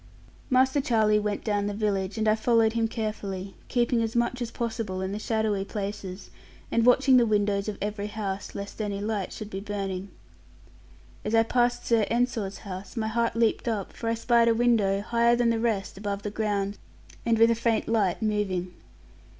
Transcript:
Master Charlie went down the village, and I followed him carefully, keeping as much as possible in the shadowy places, and watching the windows of every house, lest any light should be burning. As I passed Sir Ensor's house, my heart leaped up, for I spied a window, higher than the rest above the ground, and with a faint light moving.